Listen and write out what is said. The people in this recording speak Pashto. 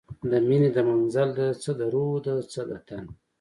د میینې د منزل ده، څه د روح ده څه د تن